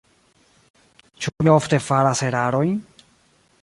Ĉu mi ofte faras erarojn?